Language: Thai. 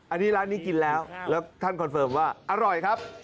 อันนี้ร้านนี้กินแล้วแล้วท่านคอนเฟิร์มว่าอร่อยครับ